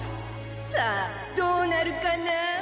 さあどうなるかな？